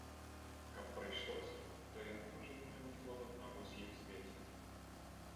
Каб прыйшлося, то яна можа вытрымаць клопат аб усім свеце.